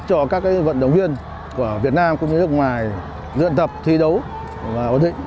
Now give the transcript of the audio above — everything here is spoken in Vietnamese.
cho các vận động viên của việt nam cũng như nước ngoài luyện tập thi đấu và ổn định